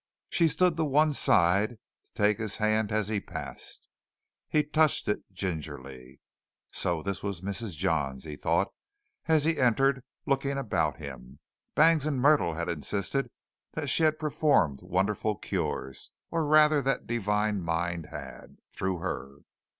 She stood to one side to take his hand as he passed. He touched it gingerly. So this was Mrs. Johns, he thought, as he entered, looking about him. Bangs and Myrtle had insisted that she had performed wonderful cures or rather that Divine Mind had, through her.